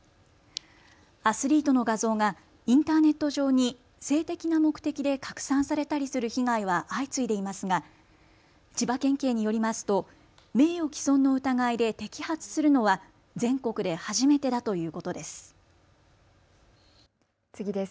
アスリートの画像がインターネット上に性的な目的で拡散されたりする被害は相次いでいますが千葉県警によりますと名誉毀損の疑いで摘発するのは全国で初めてだということです。